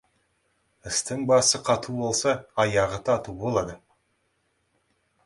Істің басы қату болса, аяғы тату болады.